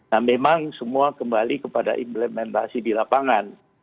nah memang semua kembali kepada implementasi di lapangan